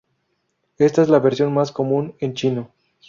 Esta es la versión más común en chino.